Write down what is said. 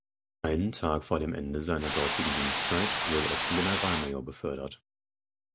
Einen Tag vor dem Ende seiner dortigen Dienstzeit wurde er zum Generalmajor befördert.